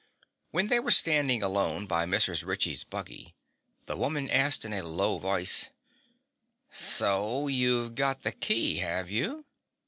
When they were standing alone by Mrs. Ritchie's buggy the woman asked in a low voice: "So you've got the key, have you?"